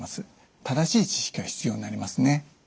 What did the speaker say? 正しい知識は必要になりますね。